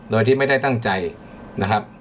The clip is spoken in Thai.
โดยที่ไม่ได้ตั้งใจนะครับ